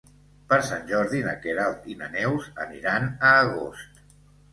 Per Sant Jordi na Queralt i na Neus aniran a Agost.